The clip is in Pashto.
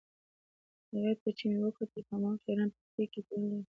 هغې ته چې مې وکتل په هماغه خیرن پټۍ کې تړلې وې.